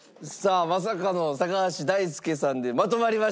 まさかの高橋大輔さんでまとまりましたけども。